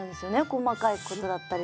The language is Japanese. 細かいことだったりとか。